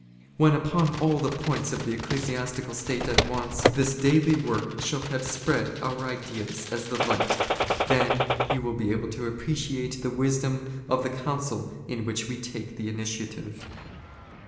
When upon all the " points of the ecclesiastical state at once, this daily work shall " have spread our ideas as the light, then you will be able to " appreciate the wisdom of the counsel in which we take the " initiative.